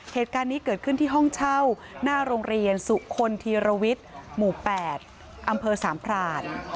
เหตุการณ์นี้เกิดขึ้นที่ห้องเช่าหน้าโรงเรียนสุคลธีรวิทย์หมู่๘อำเภอสามพราน